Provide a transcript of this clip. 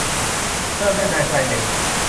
เริ่มด้วยนายไซริล